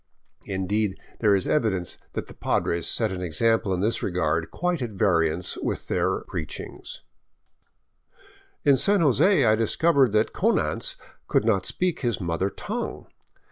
Indeed, there is evidence that the Padres set an example in this regard quite at variance with their preaching. In San Jose I discovered that Konanz could not speak his mother tongue.